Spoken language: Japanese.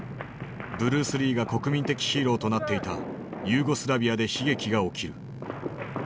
ブルース・リーが国民的ヒーローとなっていたユーゴスラビアで悲劇が起きる。